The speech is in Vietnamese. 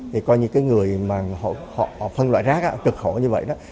thì coi như cái người mà họ phân loại rác trực khổ như vậy đó